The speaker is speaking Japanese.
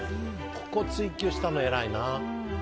ここを追求したのはえらいな。